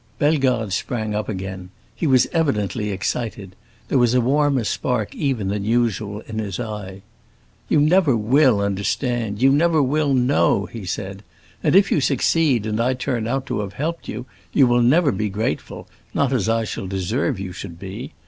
Bellegarde sprang up again; he was evidently excited; there was a warmer spark even than usual in his eye. "You never will understand—you never will know," he said; "and if you succeed, and I turn out to have helped you, you will never be grateful, not as I shall deserve you should be.